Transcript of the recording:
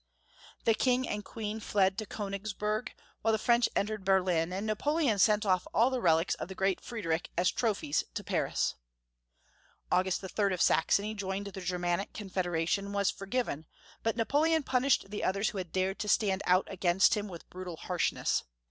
The King and Queen fled to Konigsberg, while the French entered Berlin, and Napoleon sent oft all the relics of the great Friedrich as trophies to Paris. August III. of Saxony joined the Germanic Confederation, and was forgiven, but Napoleon punished the others who had dared to stand out against him with brutal harshness.